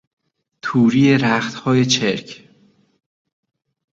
توری رختهای چرک